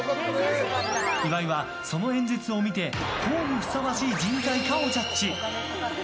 岩井はその演説を見て党にふさわしい人材かをジャッジ。